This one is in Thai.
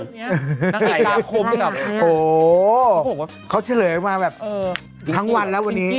นางเอกกาภมกับโอ้โหเขาเฉลยมาแบบทั้งวันแล้ววันนี้